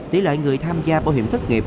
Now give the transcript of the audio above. tỷ lệ người tham gia bảo hiểm thất nghiệp